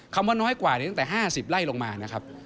ว่าน้อยกว่าตั้งแต่๕๐ไร่ลงมานะครับ